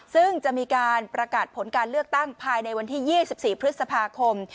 ซึ่งจะมีการประกาศผลการเลือกตั้งภายในวันที่๒๔พฤษภาคม